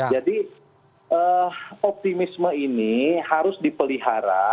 jadi optimisme ini harus dipelihara